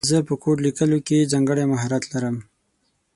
زه په کوډ لیکلو کې ځانګړی مهارت لرم